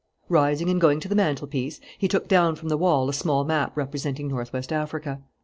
Rising and going to the mantelpiece, he took down from the wall a small map representing Northwest Africa.